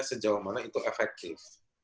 sejauh mana itu efektif